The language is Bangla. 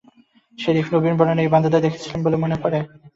শেরিফ, নবীনবরণে এই বান্দাদের দেখেছিলেন বলে মনে পড়ে?